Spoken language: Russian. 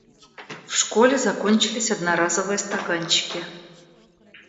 В школе закончились одноразовые стаканчики.